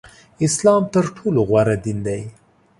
اسلام تر ټولو غوره دین دی